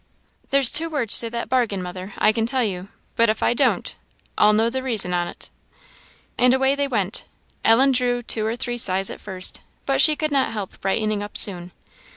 "There's two words to that bargain, mother, I can tell you; but if I don't, I'll know the reason on't." And away they went. Ellen drew two or three sighs at first, but she could not help brightening up soon.